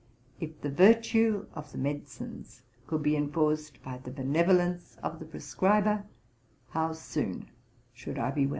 If the virtue of medicines could be enforced by the benevolence of the prescriber, how soon should I be well.'